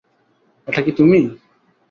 এটা কি তুমি?